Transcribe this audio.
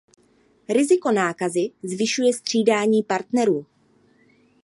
Riziko nákazy zvyšuje střídání partnerů.